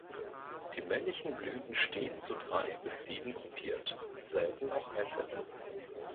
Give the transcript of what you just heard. Die männlichen Blüten stehen zu drei bis sieben gruppiert, selten auch einzeln.